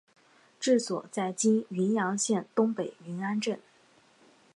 治所在今云阳县东北云安镇。